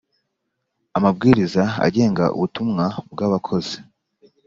amabwiriza agenga ubutumwa bw abakozi